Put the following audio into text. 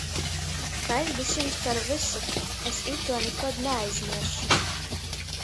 Paļdis jums par vysu, es ituo nikod naaizmiersšu.